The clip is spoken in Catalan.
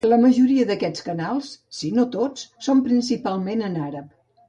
La majoria d'aquests canals, si no tots, són principalment en àrab.